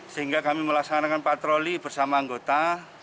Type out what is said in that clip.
sehingga kami melaksanakan patroli bersama anggota